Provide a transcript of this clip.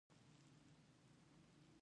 د پوستکي روڼوالي لپاره کوم بوټی وکاروم؟